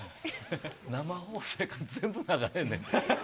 生放送やから、全部流れんねん。